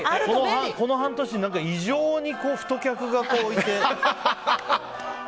この半年異常に太客がいて。